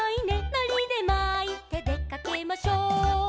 「のりでまいてでかけましょう」